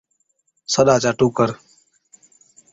سڏا چا ٽُوڪر